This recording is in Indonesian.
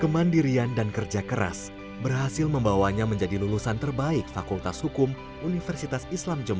kemandirian dan kerja keras berhasil membawanya menjadi lulusan terbaik fakultas hukum universitas islam jember tahun seribu sembilan ratus sepuluh